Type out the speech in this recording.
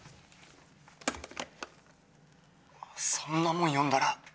そんなもん読んだら。